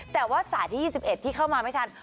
แต่ว่าสายที่๒๑ที่เข้ามาไม่ทัน